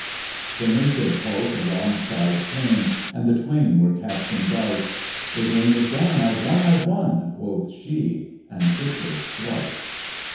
The naked hulk alongside came, And the twain were casting dice; "The game is done! I've won! I've won!" Quoth she, and whistles thrice.